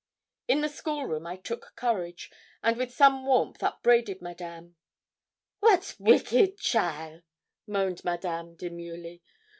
In the school room I took courage, and with some warmth upbraided Madame. 'Wat wicked cheaile!' moaned Madame, demurely.